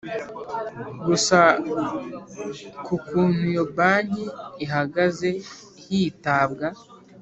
gusa ku kuntu iyo banki ihagaze hitabwa